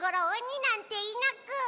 おになんていなく。